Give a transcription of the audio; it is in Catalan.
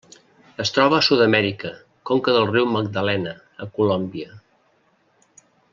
Es troba a Sud-amèrica: conca del riu Magdalena a Colòmbia.